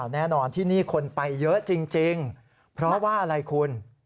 แน่นอนที่นี่คนไปเยอะจริงเพราะว่าอะไรคุณ